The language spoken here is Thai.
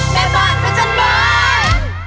แล้วปันสัชเบิร์น